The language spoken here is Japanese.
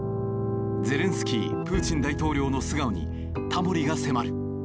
ゼレンスキープーチン大統領の素顔にタモリが迫る。